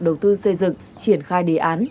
đầu tư xây dựng triển khai đề án